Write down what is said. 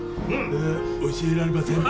え教えられません。